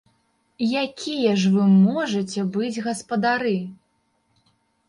Якія ж вы можаце быць гаспадары?